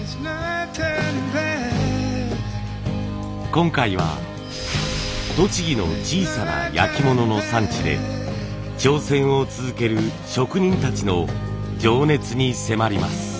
今回は栃木の小さな焼き物の産地で挑戦を続ける職人たちの情熱に迫ります。